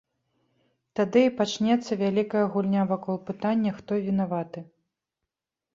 Тады і пачнецца вялікая гульня вакол пытання, хто вінаваты.